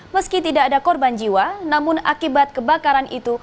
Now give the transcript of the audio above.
meski tidak ada korban jiwa namun akibat kebakaran itu